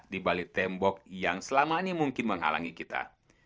di balik tembok yang selama ini mungkin menghalangi kita